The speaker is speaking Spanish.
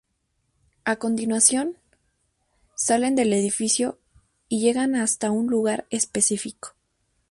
A continuación, salen del edificio y llegan hasta un lugar específico.